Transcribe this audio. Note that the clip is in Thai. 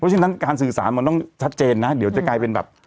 ฉะนั้นการสื่อสารมันต้องชัดเจนนะเดี๋ยวจะกลายเป็นแบบ